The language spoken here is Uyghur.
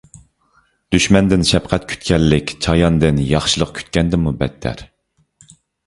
دۈشمەندىن شەپقەت كۈتكەنلىك چاياندىن ياخشىلىق كۈتكەندىنمۇ بەتتەر.